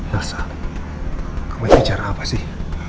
nasa kamu ingin bicara apa sih